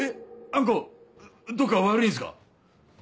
⁉あん子どっか悪いんですか？